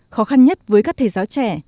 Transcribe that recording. khó khăn nhất với các thầy giáo trẻ